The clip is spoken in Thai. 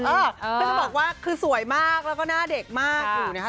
เป็นต้องบอกว่าคือสวยมากแล้วก็หน้าเด็กมากอยู่เนี่ยค่ะ